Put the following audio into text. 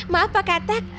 maaf pak katak